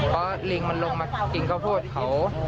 เพราะลิงมันลงมากินข้าวโพดเขา